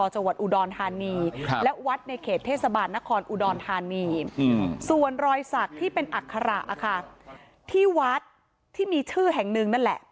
จังหวัดอุดรธานีและวัดในเขตเทศบาลนครอุดรธานีส่วนรอยศักดิ์ที่เป็นอัคระที่วัดที่มีชื่อแห่งหนึ่งนั่นแหละ